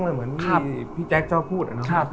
เหมือนพี่แจ๊คชอบพูด